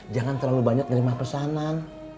jangan terlalu banyak nerima pesanan